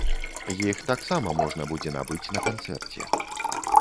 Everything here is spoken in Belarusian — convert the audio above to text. Іх таксама можна будзе набыць на канцэрце.